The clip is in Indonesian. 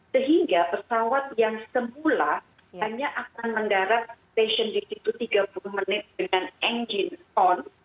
sehingga pesawat yang semula hanya akan mendarat station di situ tiga puluh menit dengan engine ton